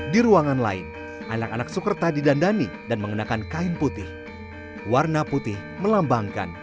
di ruangan lain anak anak sukerta didandani dan mengenakan kain putih warna putih melambangkan